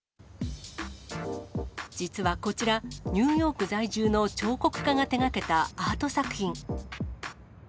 実はこちら、ニューヨーク在住の彫刻家が手がけたアート作品。